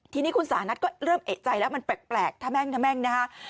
ทีนี้คุณสาหนัดก็เริ่มเอกใจแล้วมันแปลกถ้าแม่งนะฮะ